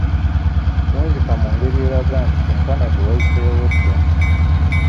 Wunzika mu ngeri eraga nti kyenkana ggwe wayiseewo dda!